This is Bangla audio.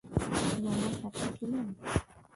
আপনি ওনার সাথে ছিলেন?